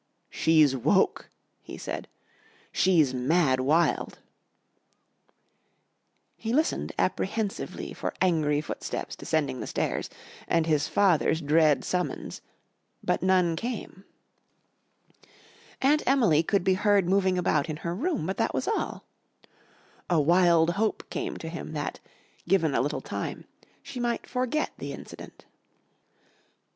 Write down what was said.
"She's woke," he said. "She's mad wild." He listened apprehensively for angry footsteps descending the stairs and his father's dread summons, but none came. Aunt Emily could be heard moving about in her room, but that was all. A wild hope came to him that, given a little time, she might forget the incident.